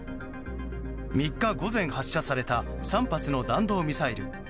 ３日午前、発射された３発の弾道ミサイル。